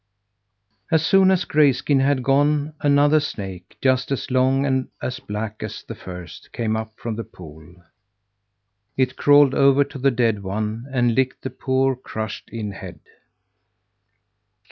As soon as Grayskin had gone, another snake, just as long and as black as the first, came up from the pool. It crawled over to the dead one, and licked the poor, crushed in head.